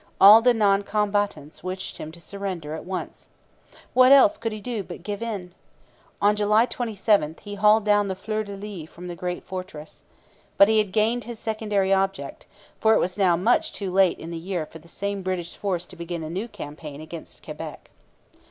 All the non combatants wished him to surrender at once. What else could he do but give in? On July 27 he hauled down the fleurs de lis from the great fortress. But he had gained his secondary object; for it was now much too late in the year for the same British force to begin a new campaign against Quebec.